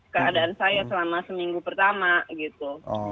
keadaan saya selama seminggu pertama gitu